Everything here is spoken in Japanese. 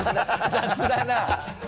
雑だな